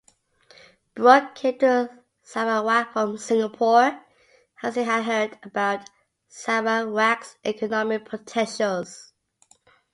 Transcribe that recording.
Brooke came to Sarawak from Singapore as he had heard about Sarawak's economic potentials.